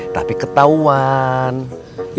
tapi ada utannya